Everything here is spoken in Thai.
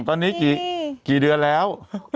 ตอนนี้กี่เดือนแล้ว